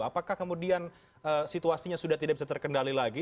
apakah kemudian situasinya sudah tidak bisa terkendali lagi